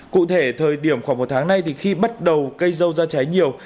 cụ thể thời điểm khoảng một tháng nay thì khi bắt đầu cây dâu ra trái nhiều